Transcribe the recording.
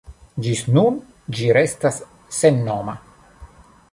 Ĝis nun, ĝi restas sennoma.